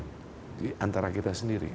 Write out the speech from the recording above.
jadi antara kita sendiri